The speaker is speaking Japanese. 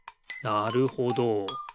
なるほど。